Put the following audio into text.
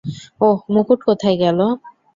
অহ, মুকুট কোথায় গেল?